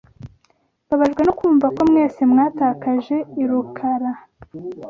Mbabajwe no kumva ko mwese mwatakaje irukara.